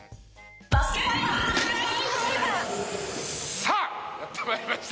さあやって参りました。